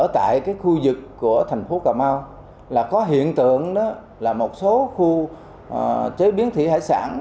tại khu vực của thành phố cà mau là có hiện tượng là một số khu chế biến thủy hải sản